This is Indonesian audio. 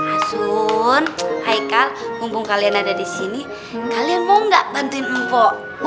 asun haikal mumpung kalian ada di sini kalian mau enggak bantuin mpok